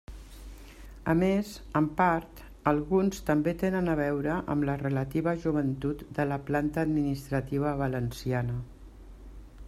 A més, en part, alguns també tenen a veure amb la relativa joventut de la planta administrativa valenciana.